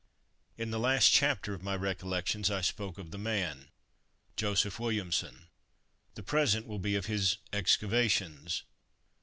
In the last chapter of my "Recollections" I spoke of the man Joseph Williamson; the present will be of his "excavations."